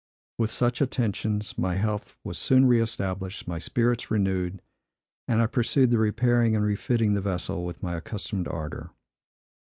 With such attentions, my health was soon reëstablished, my spirits renewed, and I pursued the repairing and refitting the vessel with my accustomed ardor.